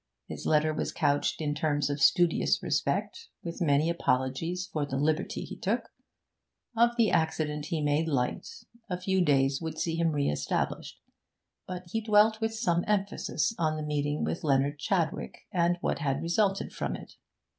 His letter was couched in terms of studious respect, with many apologies for the liberty he took. Of the accident he made light a few days would see him re established but he dwelt with some emphasis upon the meeting with Leonard Chadwick, and what had resulted from it.